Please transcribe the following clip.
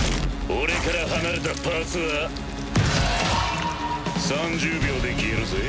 俺から離れたパーツは３０秒で消えるぜ。